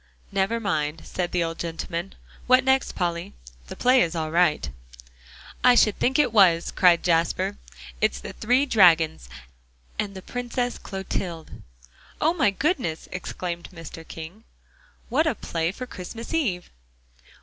"Never mind," said the old gentleman. "What next, Polly? The play is all right." "I should think it was," cried Jasper. "It's the Three Dragons, and the Princess Clotilde." "Oh, my goodness," exclaimed Mr. King, "What a play for Christmas Eve!"